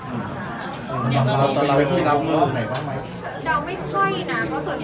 อืมตอนนี้ตอนนี้พี่เล่าเรื่องไหนบ้างไหมเล่าไม่ค่อยน่ะ